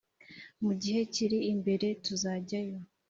mu gihe kiri imbere tuzajyayo